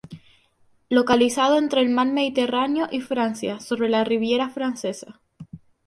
Localizado entre el mar Mediterráneo y Francia sobre la Riviera francesa.